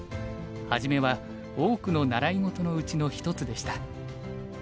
初めは多くの習い事のうちの一つでした。